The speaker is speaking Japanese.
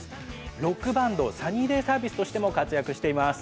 ロックバンドサニーデイ・サービスとしても活躍しています。